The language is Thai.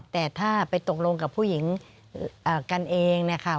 แต่ถ้าไปตกลงกับผู้หญิงกันเองนะคะ